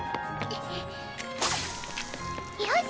よし！